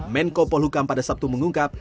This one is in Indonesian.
menko polhukam pada sabtu mengungkap